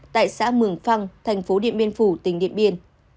tại xã mường phăng thành phố điện biên phủ tỉnh điện biên